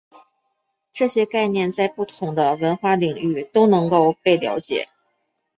这些概念在不同的文化领域都能够被了解。